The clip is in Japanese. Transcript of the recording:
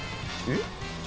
えっ？